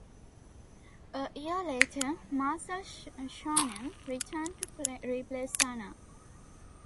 A year later Marcel Schoenen returned to replace Sanna.